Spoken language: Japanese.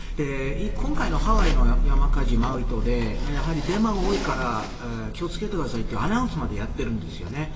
今回のハワイのマウイ島の山火事でデマが多いから気を付けてくださいというアナウンスまでやってるんです。